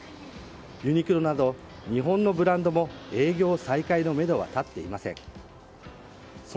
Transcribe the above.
ユニクロなど日本のブランドも営業再開のめどはたっていません。